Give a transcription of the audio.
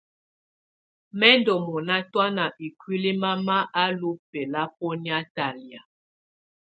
Mɛ̀ ndù mɔna tɔ̀ána ikuili mama á lú bɛlabɔnɛ̀á talɛ̀á.